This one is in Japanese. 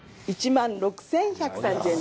１万６，１３０円。